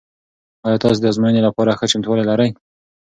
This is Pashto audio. آیا تاسو د ازموینې لپاره ښه چمتووالی لرئ؟